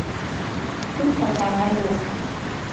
او تا کمر لخت بود.